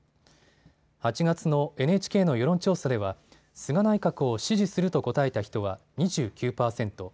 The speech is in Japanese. ８月のＮＨＫの世論調査では菅内閣を支持すると答えた人は２９％。